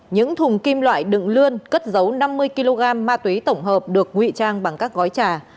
những thùng kim loại đựng lươn cất dấu năm mươi kg ma túy tổng hợp được nguy trang bằng các gói trà